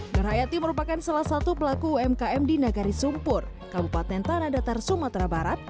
nur hayati merupakan salah satu pelaku umkm di nagari sumpur kabupaten tanah datar sumatera barat